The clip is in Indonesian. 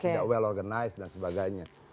tidak well organized dan sebagainya